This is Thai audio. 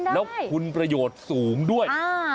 แล้วคุณประโยชน์สูงด้วย